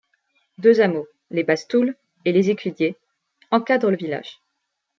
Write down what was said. Deux hameaux, les Bastouls et les Escudiés, encadrent le village.